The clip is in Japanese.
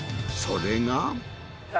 それが。